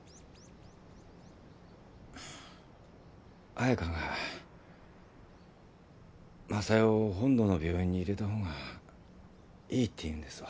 彩佳が昌代を本土の病院に入れたほうがいいって言うんですわ。